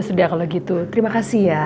ya sudah kalo gitu terima kasih ya